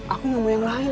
aku gak mau yang lain